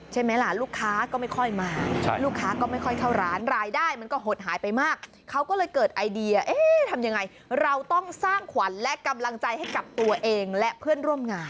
ใช่ไหมล่ะลูกค้าก็ไม่ค่อยมาลูกค้าก็ไม่ค่อยเข้าร้านรายได้มันก็หดหายไปมากเขาก็เลยเกิดไอเดียเอ๊ะทำยังไงเราต้องสร้างขวัญและกำลังใจให้กับตัวเองและเพื่อนร่วมงาน